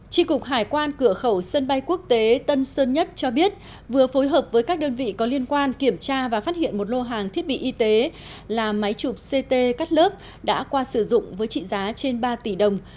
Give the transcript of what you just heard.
tri cục hải quan cửa khẩu sân bay quốc tế tân sơn nhất cho biết vừa phối hợp với các đơn vị có liên quan kiểm tra và phát hiện một lô hàng thiết bị y tế là máy chụp ct cắt lớp đã qua sử dụng với trị giá trên ba tỷ đồng